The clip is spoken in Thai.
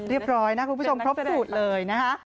เรียบร้อยนะคุณผู้ชมพร้อมสุดเลย